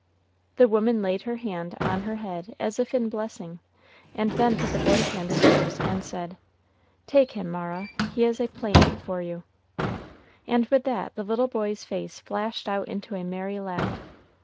The woman laid her hand on her head as if in blessing, and then put the boy's hand in hers, and said, "Take him, Mara, he is a playmate for you;" and with that the little boy's face flashed out into a merry laugh.